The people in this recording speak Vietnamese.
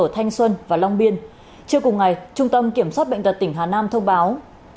trước cùng ngày trung tâm kiểm soát bệnh tật tỉnh hà nam thông báo